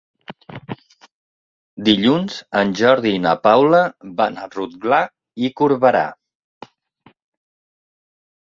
Dilluns en Jordi i na Paula van a Rotglà i Corberà.